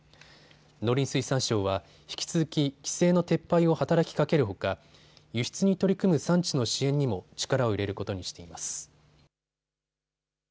農林水産省は引き続き規制の撤廃を働きかけるほか輸出に取り組む産地の支援にも力を入れることにしています。